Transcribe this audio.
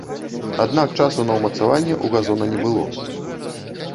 Аднак часу на ўмацаванне ў газона не было.